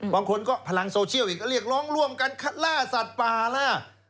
บางคนก็พลังโซเชียลอีกก็เรียกร้องร่วมกันล่าสัตว์ป่าล่ะ